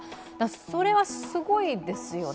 それはすごいですよね。